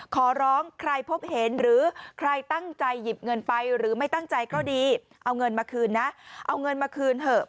ขอร้องใครพบเห็นหรือใครตั้งใจหยิบเงินไปหรือไม่ตั้งใจก็ดีเอาเงินมาคืนนะเอาเงินมาคืนเถอะ